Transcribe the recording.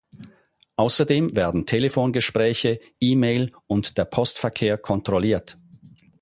Außerdem werden Telefongespräche, E-Mail und der Postverkehr kontrolliert.